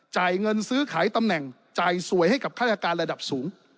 จ่ายเงินซื้อขายตำแหน่งจ่ายสวยให้กับฆาตการระดับสูง